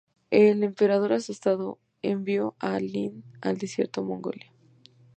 El emperador, asustado, envió a Lin al Desierto de Mongolia.